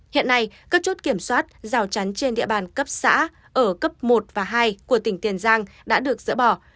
hiện nay các chốt kiểm soát rào chắn trên địa bàn cấp xã ở cấp một và hai của tỉnh tiền giang đã được dỡ bỏ